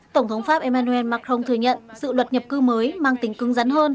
tổng thống pháp emmanuel macron thừa nhận sự luật nhập cư mới mang tính cưng rắn hơn